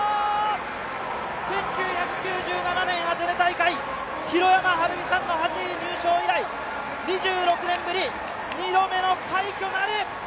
１９９７年アテネ大会弘山晴美さんの８位入賞以来２６年ぶり、２度目の快挙なる！